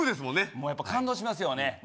もうやっぱ感動しますよね